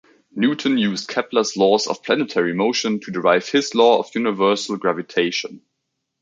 Newton used Kepler's laws of planetary motion to derive his law of universal gravitation.